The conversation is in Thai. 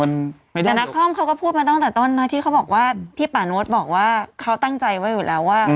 แต่นักคอมเขาก็พูดมาตั้งแต่ต้นนะที่เขาบอกว่าที่ป่าโน๊ตบอกว่าเขาตั้งใจไว้อยู่แล้วว่า